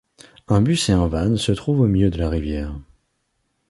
Un bus et un van se trouvent au milieu de la rivière.